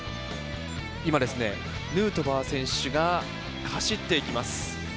今、ヌートバー選手が走って行きます。